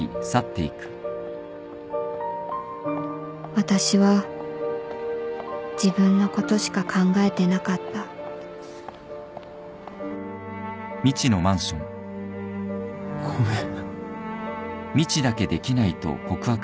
私は自分のことしか考えてなかったごめん。